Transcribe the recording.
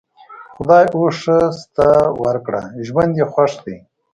خدای اوس ښه شته ورکړ؛ ژوند یې خوښ دی.